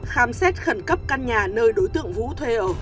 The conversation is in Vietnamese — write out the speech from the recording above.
khám xét khẩn cấp căn nhà nơi đối tượng vũ thuê ở